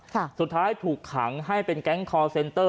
สุดท้ายถูกขังให้เป็นแก๊งคอร์เซ็นเตอร์